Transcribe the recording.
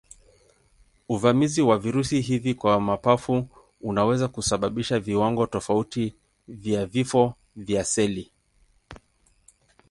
Uvamizi wa virusi hivi kwa mapafu unaweza kusababisha viwango tofauti vya vifo vya seli.